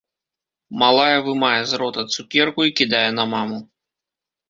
Малая вымае з рота цукерку і кідае на маму.